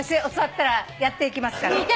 教わったらやっていきますから。